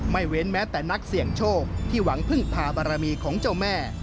เว้นแม้แต่นักเสี่ยงโชคที่หวังพึ่งพาบารมีของเจ้าแม่